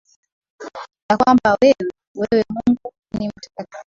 Ya kwamba wewe, wewe Mungu ni mtakatifu